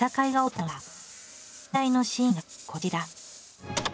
問題のシーンがこちら。